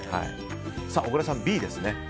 小倉さん、Ｂですね。